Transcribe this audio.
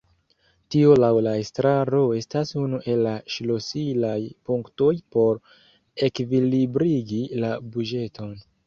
Tio laŭ la estraro estas unu el la ŝlosilaj punktoj por ekvilibrigi la buĝeton.